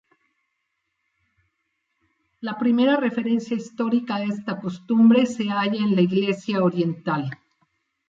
La primera referencia histórica a esta costumbre se halla en la iglesia oriental.